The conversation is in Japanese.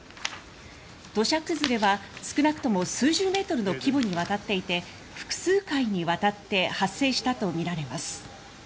土砂崩れは少なくとも数十メートルの規模にわたっていて複数回にわたって発生したとみられます。